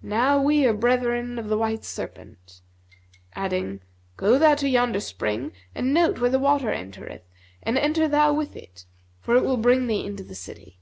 Now we are brethren of the white serpent,' adding, 'Go thou to yonder spring and note where the water entereth, and enter thou with it; for it will bring thee into the city.'